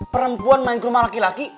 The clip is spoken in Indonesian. perempuan main ke rumah laki laki